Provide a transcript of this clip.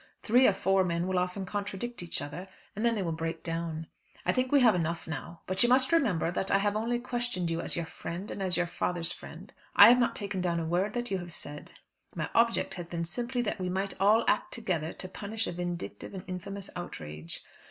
Three or four men will often contradict each other, and then they will break down. I think we have enough now. But you must remember that I have only questioned you as your friend and as your father's friend. I have not taken down a word that you have said. My object has been simply that we might all act together to punish a vindictive and infamous outrage.